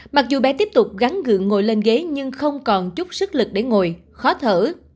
mặc dù bé tiếp tục gắn gượng ngồi lên ghế nhưng không còn chút sức lực để ngồi khó thở